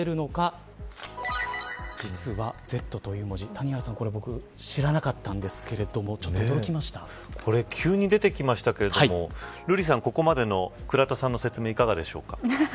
谷原さん、これ僕知らなかったんですけれどもこれ急に出てきましたけれども瑠麗さん、ここまでの倉田さんの説明いかがでしょうか。